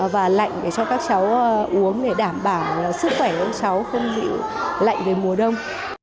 và lạnh để cho các cháu uống để đảm bảo sức khỏe các cháu không bị lạnh về mùa đông